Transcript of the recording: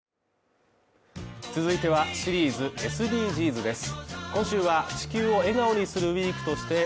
続いては、シリーズ「ＳＤＧｓ」です。